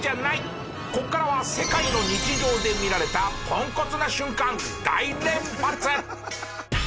ここからは世界の日常で見られたポンコツな瞬間大連発！